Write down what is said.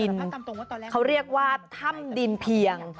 นี่คือถ้ำดินเพียง